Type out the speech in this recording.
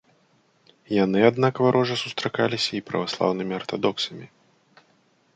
Яны аднак варожа сустракаліся і праваслаўнымі артадоксамі.